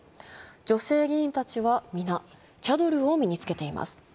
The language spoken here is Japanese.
女性議員たちはみな、チャドルを身につけています。